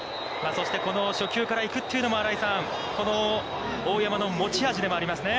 そして、この初球から行くというのも、この大山の持ち味でもありますね。